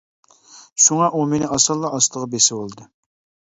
شۇڭا ئۇ مېنى ئاسانلا ئاستىغا بېسىۋالدى.